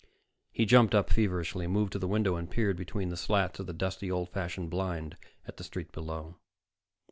He jumped up feverishly, moved to the window, and peered between the slats of the dusty, old fashioned blind at the street below.